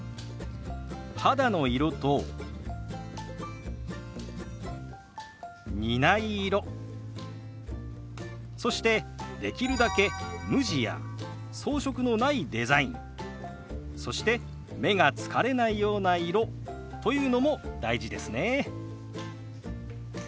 肌の色と似ない色そしてできるだけ無地や装飾のないデザインそして目が疲れないような色というのも大事ですね。